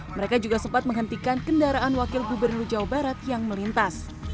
mereka juga sempat menghentikan kendaraan wakil gubernur jawa barat yang melintas